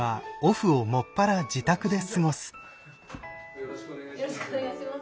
よろしくお願いします。